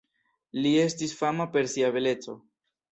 Li estis fama per sia beleco.